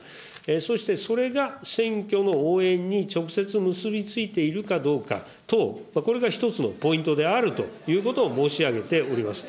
そしてそれが選挙の応援に直接結びついているかどうか等、これが一つのポイントであるということを申し上げております。